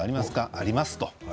ありますと。